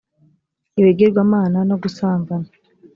ibigirwamana no gusambana